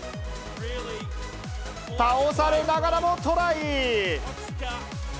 倒されながらもトライ。